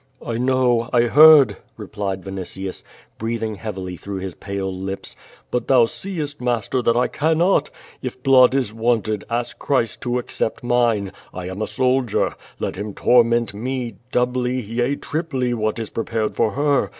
"I know! I heard," replied Vinitius, breathing heavily through his pale lips. "But thou seest, master, that I cannot! If blood is wanted, ask Christ to accept mine. I am a soldier. Let Him torment me, doubly, yea triply what is prepared for her!